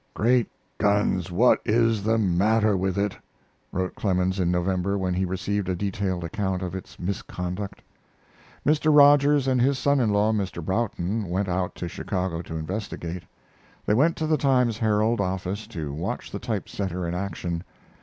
"Great guns, what is the matter with it?" wrote Clemens in November when he received a detailed account of its misconduct. Mr. Rogers and his son in law, Mr. Broughton, went out to Chicago to investigate. They went to the Times Herald office to watch the type setter in action.